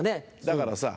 だからさ